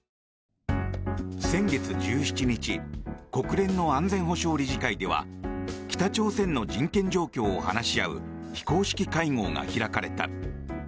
先月１７日国連の安全保障理事会では北朝鮮の人権状況を話し合う非公式会合が開かれた。